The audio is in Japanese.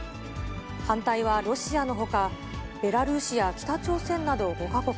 反対はロシアのほか、ベラルーシや北朝鮮など５か国、